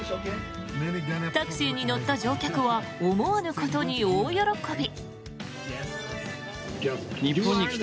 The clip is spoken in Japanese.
タクシーに乗った乗客は思わぬことに大喜び。